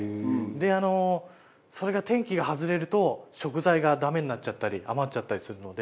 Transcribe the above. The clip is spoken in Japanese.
であのそれが天気が外れると食材がダメになっちゃったり余っちゃったりするので。